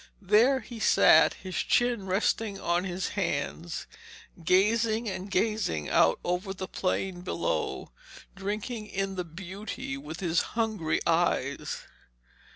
There he sat, his chin resting on his hands, gazing and gazing out over the plain below, drinking in the beauty with his hungry eyes.